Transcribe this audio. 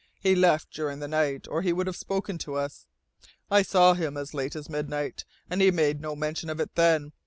He left during the night, or he would have spoken to us. I saw him as late as midnight, and he made no mention of it then.